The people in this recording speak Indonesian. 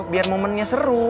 biar momennya seru